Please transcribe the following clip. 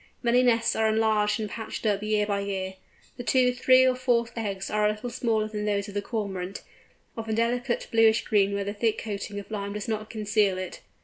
Many nests are enlarged and patched up year by year. The two, three, or four eggs are a little smaller than those of the Cormorant, of a delicate bluish green where the thick coating of lime does not conceal it.